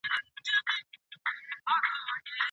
علمي تحقیق په غلطه توګه نه تشریح کیږي.